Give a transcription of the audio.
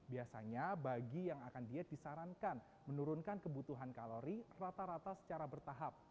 biasanya bagi yang akan diet disarankan menurunkan kebutuhan kalori rata rata secara bertahap